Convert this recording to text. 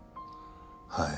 はい。